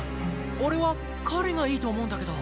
俺は彼がいいと思うんだけど。